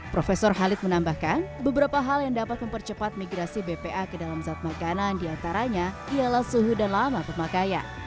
prof halid menambahkan beberapa hal yang dapat mempercepat migrasi bpa ke dalam zat makanan diantaranya ialah suhu dan lama pemakaian